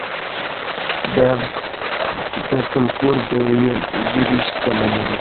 فولکلور د یوې ژبې شتمني ده.